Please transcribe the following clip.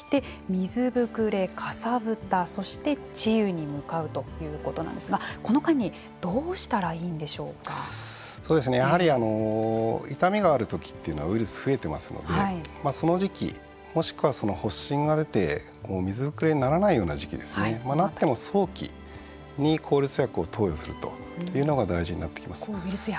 水ぶくれ、かさぶたそして治癒に向かうということなんですがこの間にやはり痛みがある時というのはウイルスが増えていますのでその時期、もしかは発疹が出て水ぶくれにならないような時期なっても早期に抗ウイルス薬を投与するというのが大事になってきます。